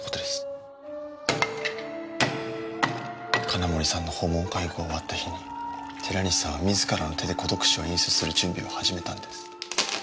金森さんの訪問介護が終わった日に寺西さんは自らの手で孤独死を演出する準備を始めたんです。